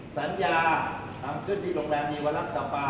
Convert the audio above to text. สัญญาทำเครื่องที่โรงแรมนี้วันรักษาป่า